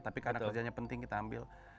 tapi karena kerjanya penting kita ambil